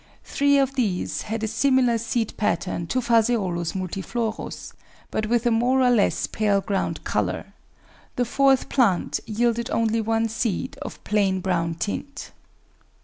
Three of these had a similar seed pattern to Ph. multiflorus, but with a more or less pale ground colour; the fourth plant yielded only one seed of plain brown tint.